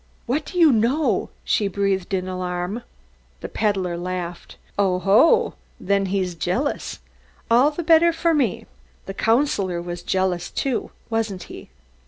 "What do you know?" she breathed in alarm. The peddler laughed. "Oho, then he's jealous! All the better for me the Councillor was jealous too, wasn't he?"